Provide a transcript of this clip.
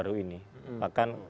baru baru ini bahkan